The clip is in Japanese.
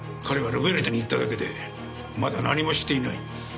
彼はルベルタに行っただけでまだ何もしていない。